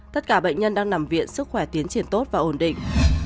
tất cả bệnh nhân đang nằm viện sức khỏe tiến triển tốt và ổn định